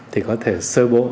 thì có thể sơ bộ